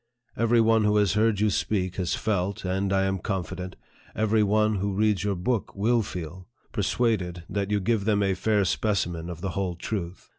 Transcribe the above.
Every one who has heard you speak has felt, and, I am confident, every one who reads your book will feel, persuaded that you give them a fair specimen of the whole truth.